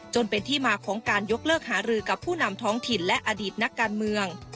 จนเป็นที่มาของการยกเลิกหารือกับผู้นำท้องถิ่นและอดีตนักการเมือง